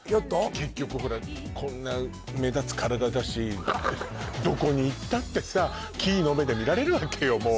結局ほらこんな目立つ体だしどこに行ったってさ奇異の目で見られるわけよもう